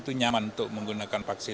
terkencang mengenai industri